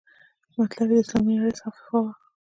مطلب یې د اسلامي نړۍ څخه دفاع وه.